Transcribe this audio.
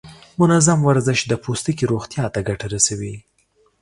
منظم ورزش د پوستکي روغتیا ته ګټه رسوي.